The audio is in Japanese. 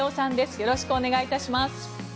よろしくお願いします。